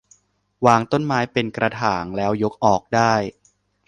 วางต้นไม้เป็นกระถางแล้วยกออกได้